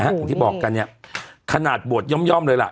อย่างที่บอกกันเนี่ยขนาดบวชย่อมเลยล่ะ